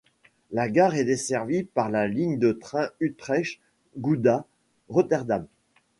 La gare est desservie par la ligne de train Utrecht — Gouda — Rotterdam.